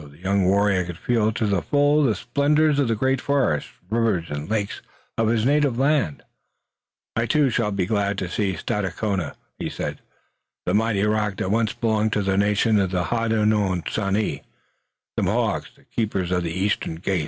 The young warrior could feel to the full the splendors of the great forests, rivers and lakes of his native land. "I too shall be glad to see Stadacona," he said, "the mighty rock that once belonged to a nation of the Hodenosaunee, the Mohawks, the Keepers of the Eastern Gate."